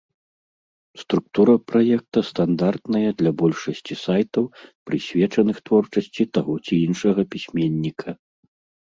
Структура праекта стандартная для большасці сайтаў, прысвечаных творчасці таго ці іншага пісьменніка.